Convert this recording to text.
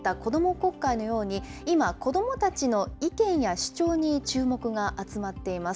国会のように、今、子どもたちの意見や主張に注目が集まっています。